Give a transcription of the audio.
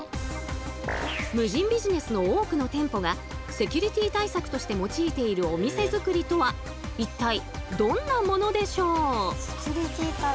無人ビジネスの多くの店舗がセキュリティー対策として用いているお店づくりとは一体どんなものでしょう？